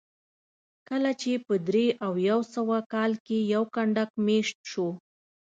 کله چې په درې او یو سوه کال کې یو کنډک مېشت شو